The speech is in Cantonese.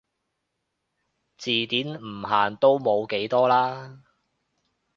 字典唔限都冇幾多啦